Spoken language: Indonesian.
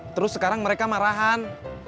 terus sekarang mereka marahan